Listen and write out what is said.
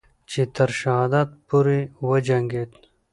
چې تر شهادت پورې وجنگید